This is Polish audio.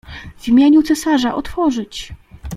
"W imieniu cesarza otworzyć!"